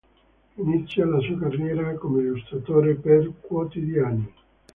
Inizia la sua carriera come illustratore per quotidiani.